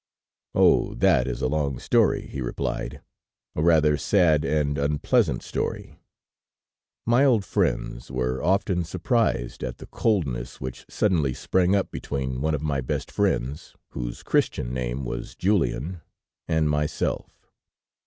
"Oh! that is a long story," he replied; "a rather sad and unpleasant story." "My old friends were often surprised at the coldness which suddenly sprang up between one of my best friends, whose Christian name was Julien, and myself.